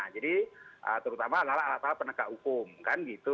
jadi terutama adalah alat alat penegak hukum kan gitu